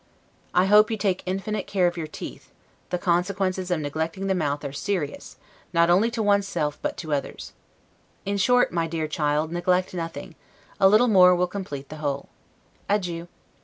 I hope you take infinite care of your teeth; the consequences of neglecting the mouth are serious, not only to one's self, but to others. In short, my dear child, neglect nothing; a little more will complete the whole. Adieu.